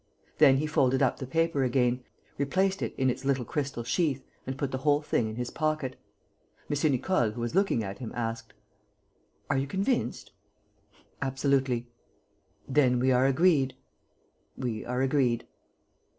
Then he folded up the paper again, replaced it in its little crystal sheath and put the whole thing in his pocket. M. Nicole, who was looking at him, asked: "Are you convinced?" "Absolutely." "Then we are agreed?" "We are agreed."